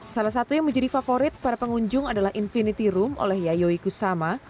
salah satu yang menjadi favorit para pengunjung adalah infinity room oleh yayoi kusama